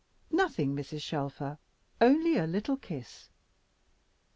"Nothing, Mrs. Shelfer, only a little kiss."